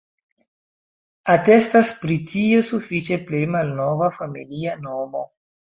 Atestas pri tio sufiĉe plej malnova familia nomo.